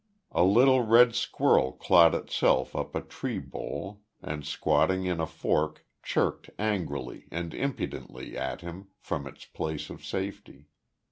A little red squirrel clawed itself up a tree bole, and squatting in a fork chirked angrily and impudently at him from its place of safety.